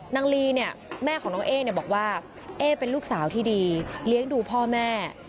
ลีเนี่ยแม่ของน้องเอ๊บอกว่าเอ๊เป็นลูกสาวที่ดีเลี้ยงดูพ่อแม่